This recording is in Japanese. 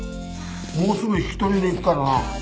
もうすぐ引き取りに行くからな。